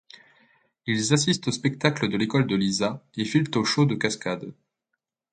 Ils assistent au spectacle de l'école de Lisa et filent au show de cascades.